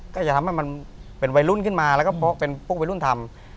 ก็จะทำให้มันเป็นวัยรุ่นขึ้นมาแล้วก็เป็นพวกวัยรุ่นทำ